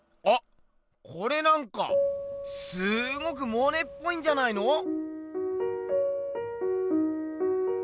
あっこれなんかすごくモネっぽいんじゃないの？